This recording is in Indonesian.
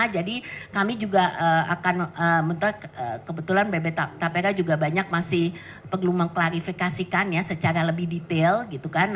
jadi kami juga akan menurut kebetulan bebe tapera juga banyak masih perlu mengklarifikasikan ya secara lebih detail gitu kan